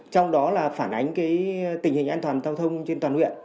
trong đó là phản ánh tình hình an toàn giao thông trên toàn huyện